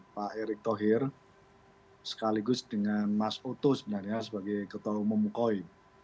pak erik thohir sekaligus dengan mas oto sebenarnya sebagai ketua umum koi